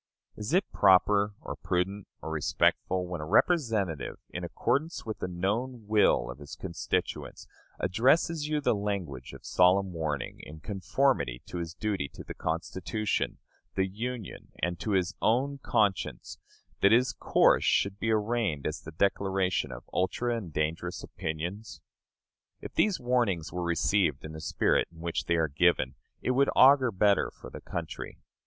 Is it proper, or prudent, or respectful, when a representative, in accordance with the known will of his constituents, addresses you the language of solemn warning, in conformity to his duty to the Constitution, the Union, and to his own conscience, that his course should be arraigned as the declaration of ultra and dangerous opinions? If these warnings were received in the spirit in which they are given, it would augur better for the country.